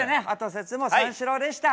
説も三四郎でした。